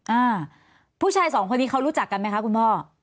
อ่าผู้ชายสองคนนี้เขารู้จักกันไหมคะคุณพ่อ